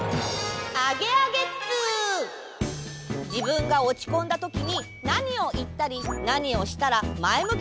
じぶんがおちこんだときになにをいったりなにをしたらまえむき